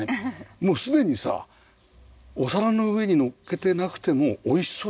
もうすでにさお皿の上にのっけてなくても美味しそうよね。